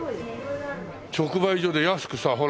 直売所で安くさほら。